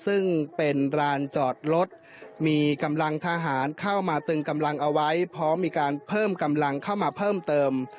ซึ่งเป็นร้านจอดรถมีกำลังทหารเข้ามาตึงกำลังเอาไว้พร้อมมีการเพิ่มกำลังเข้ามาเพิ่มเติม